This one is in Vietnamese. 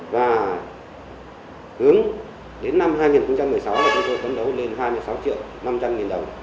và hướng đến năm hai nghìn một mươi sáu là chúng tôi phấn đấu lên hai mươi sáu triệu năm trăm linh nghìn đồng